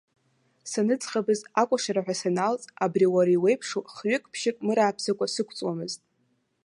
Саныӡӷабыз, акәашараҳәа саналҵ, абри уара иуеиԥшу хҩык-ԥшьҩык мырааԥсакәа сықәҵуамызт.